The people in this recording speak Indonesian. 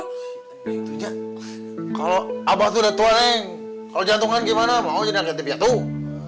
itu aja kalau abah tuh datua neng kalau jantungan gimana mau jadi agetip ya tuh